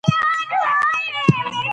اقتصاد جوړ کړئ.